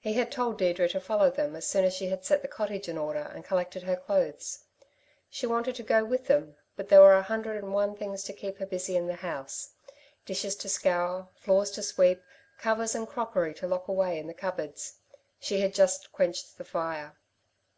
He had told Deirdre to follow them as soon as she had set the cottage in order and collected her clothes. She wanted to go with them, but there were a hundred and one things to keep her busy in the house dishes to scour, floors to sweep, covers and crockery to lock away in the cupboards. She had just quenched the fire.